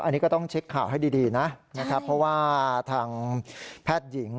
อันนี้ก็ต้องเช็คข่าวให้ดีนะนะครับเพราะว่าทางแพทย์หญิง